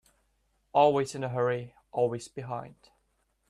Always in a hurry, always behind.